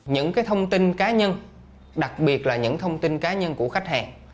những thông tin cá nhân đặc biệt là những thông tin cá nhân của khách hàng